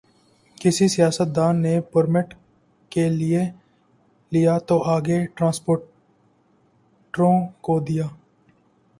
کسی سیاستدان نے پرمٹ لے لیا تو آگے ٹرانسپورٹروں کو دیا۔